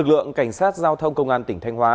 cơ quan cảnh sát giao thông công an tỉnh thanh hóa